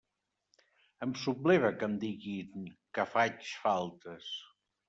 Em subleva que em diguin que faig faltes.